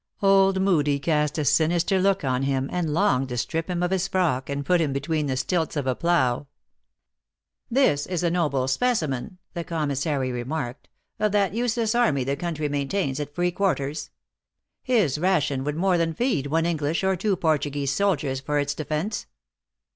Old Moodie cast a sinister look on him, and longed to strip him of his frock, and put him between the stilts of a plough. . u This is a noble specimen," the commissary re marked, "of that useless army the country maintains at free quarters. His ration would more than feed one English or two Portuguese soldiers for its de fence."